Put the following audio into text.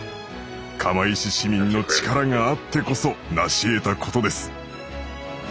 釜石市民の力があってこそなしえたことです。